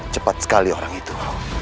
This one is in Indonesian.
tempat sekali orang itu